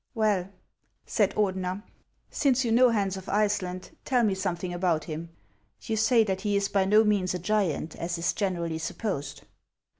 " Well," said Ordener, " since you know Hans of Ice laud, tell me something about him. You say that he is by no means a giant, as is generally supposed.''